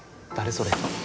それ